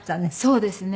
そうですね。